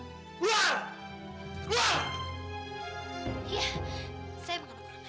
iya saya bukan orang lancar